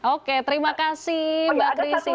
oke terima kasih mbak christie